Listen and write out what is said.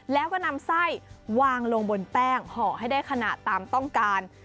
แล้วก็นำไส้วางลงบนแป้งห่อให้ได้ขนาดตามต้องการ